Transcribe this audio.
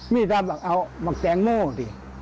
ไม่ตามที่เอามักแทงเม้าดิ